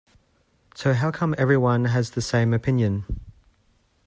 So how come everyone has the same opinion?